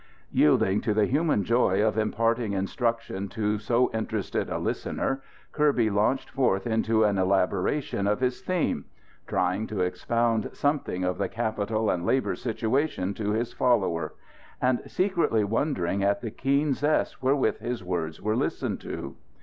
Yielding to the human joy of imparting instruction to so interested a listener, Kirby launched forth into an elaboration of his theme; trying to expound something of the capital and labour situation to his follower; and secretly wondering at the keen zest wherewith his words were listened to.